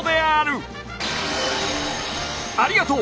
ありがとう！